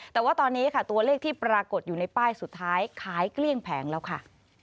แต่ว่าตอนนี้ค่ะตัวเลขที่ปรากฏอยู่ในป้ายสุดท้ายขายเกลี้ยงแผงแล้วค่ะ